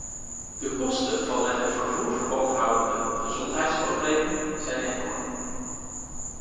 De kosten van met het vervoer verband houdende gezondheidsproblemen zijn enorm.